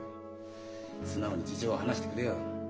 素直に事情を話してくれよ。